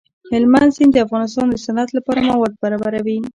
هلمند سیند د افغانستان د صنعت لپاره مواد برابروي.